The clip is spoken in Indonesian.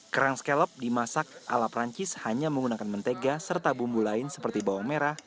kerang scallop dimasak ala perancis hanya menggunakan mentega serta bumbu lain seperti bawang merah